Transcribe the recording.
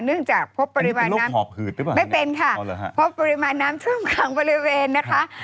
เนื่องจากพบปริมาณน้ำไม่เป็นค่ะพบปริมาณน้ำช่วงขังบริเวณนะคะ